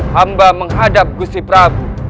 hamba menghadap gusti prabu